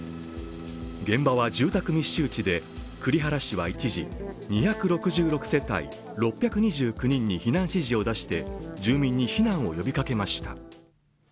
現場は住宅密集地で栗原市は一時２６６世帯６２９人に避難指示を出して住民に避難を呼びかけました。